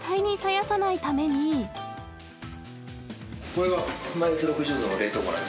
これは。